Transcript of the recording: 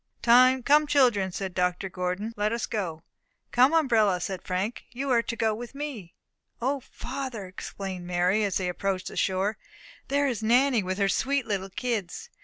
"Come, children," said Dr. Gordon, "let us go." "Come, umbrella," said Frank, "you are to go with me." "O, father," exclaimed Mary, as they approached the shore, "there is Nanny with her sweet little kids.